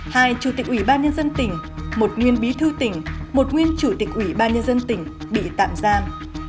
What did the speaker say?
hai chủ tịch ủy ban nhân dân tỉnh một nguyên bí thư tỉnh một nguyên chủ tịch ủy ban nhân dân tỉnh bị tạm giam